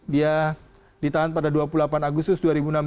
dia ditahan pada dua puluh delapan agustus dua ribu enam belas